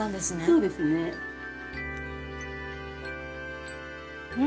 そうですね